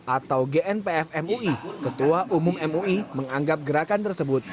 atau gnpf mui ketua umum mui menganggap gerakan tersebut